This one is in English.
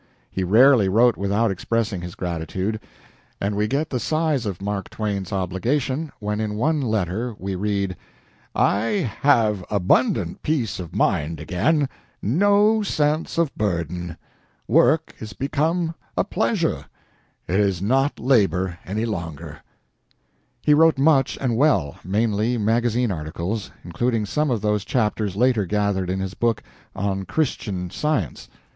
He rarely wrote without expressing his gratitude, and we get the size of Mark Twain's obligation when in one letter we read: "I have abundant peace of mind again no sense of burden. Work is become a pleasure it is not labor any longer." He wrote much and well, mainly magazine articles, including some of those chapters later gathered it his book on "Christian Science."